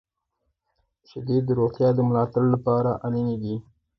• شیدې د روغتیا د ملاتړ لپاره اړینې دي.